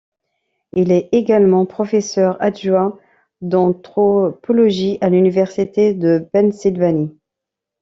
Il est également professeur adjoint d'anthropologie à l'université de Pennsylvanie.